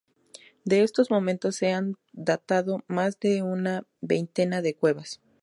De estos momentos se han datado más de una veintena de cuevas.